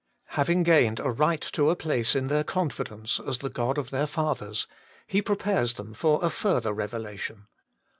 Having gained a right to a place in their confidence as the God of their fathers, He prepares them for a further revelation.